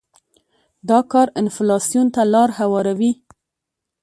دا کار انفلاسیون ته لار هواروي.